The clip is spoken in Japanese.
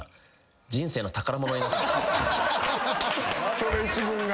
その一文が。